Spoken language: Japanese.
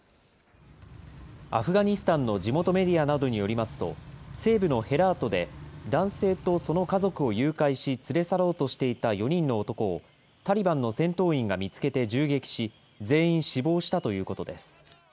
アフガニスタンの地元メディアなどによりますと、西部のヘラートで男性とその家族を誘拐し連れ去ろうとしていた４人の男を、タリバンの戦闘員が見つけて銃撃し、全員死亡したということです。